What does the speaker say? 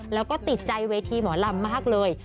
แล้วก็ติดใจเวทีหมอลำมากเลย